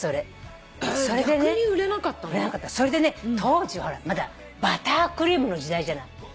それでね当時はまだバタークリームの時代じゃない。